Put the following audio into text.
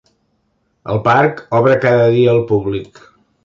El parc obre cada dia al públic.